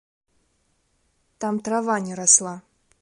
Там трава не расла.